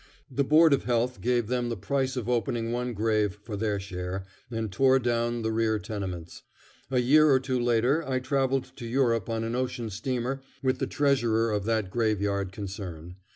The Board of Health gave them the price of opening one grave for their share, and tore down the rear tenements. A year or two later I travelled to Europe on an ocean steamer with the treasurer of that graveyard concern.